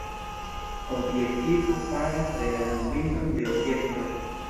Objektivo faras realan bildon de objekto.